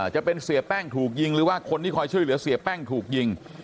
จะเป็นเสียแป้งถูกยิงหรือว่าคนที่คอยช่วยเหลือเสียแป้งถูกยิง